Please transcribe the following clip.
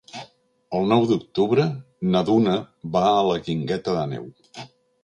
El nou d'octubre na Duna va a la Guingueta d'Àneu.